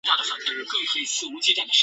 球迷称呼其为孖润肠尼马。